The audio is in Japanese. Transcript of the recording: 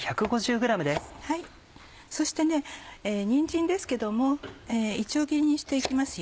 そしてにんじんですけどもいちょう切りにして行きますよ。